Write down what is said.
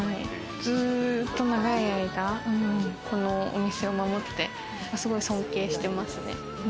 ずっと長い間、このお店を守ってすごい尊敬してますね。